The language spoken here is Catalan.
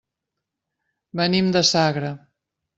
Venim de Sagra.